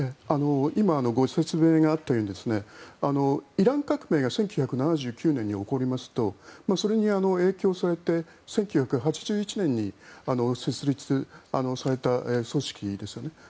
今、ご説明があったようにイラン革命が１９７９年に起こりますとそれに影響されて１９８１年に設立された組織ですよね。